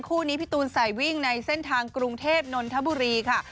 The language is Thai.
คู่นี้พี่ตูนใส่วิ่งในเส้นทางกรุงเทพนนทบุรีค่ะ